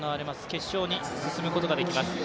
決勝に進むことができます。